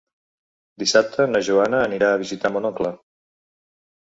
Dissabte na Joana anirà a visitar mon oncle.